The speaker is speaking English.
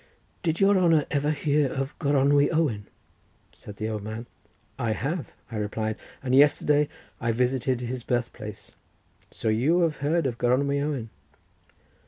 "Did your honour ever hear of Gronwy Owen?" said the old man. "I have," I replied, "and yesterday I visited his birth place; so you have heard of Gronwy Owen?"